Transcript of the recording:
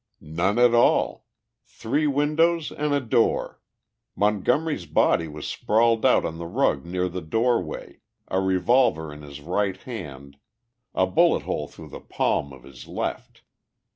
"None at all. Three windows and a door. Montgomery's body was sprawled out on the rug near the doorway a revolver in his right hand, a bullet hole through the palm of his left.